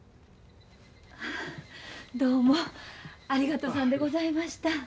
どうもありがとさんでございました。